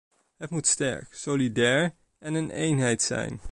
Het moet sterk, solidair en een eenheid zijn.